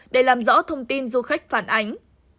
để làm rõ thông tin du khách phản ánh